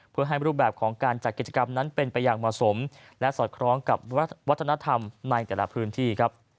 เพื่อให้รูปแบบของการจัดกิจกรรมนั้นเป็นไปอย่างเหมาะสมและสอดคล้องกับวัฒนธรรมในแต่ละพื้นที่ครับ